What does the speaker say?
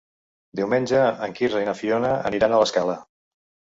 Diumenge en Quirze i na Fiona aniran a l'Escala.